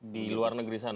di luar negeri sana